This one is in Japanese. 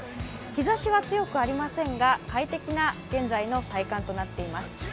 日ざしは強くありませんが、快適な現在の体感となっています。